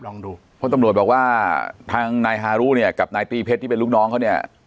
เพราะตำรวจบอกว่าทางนายฮารุเนี่ยกับนายตี้เพชรที่เป็นลูกน้องเขาเนี่ย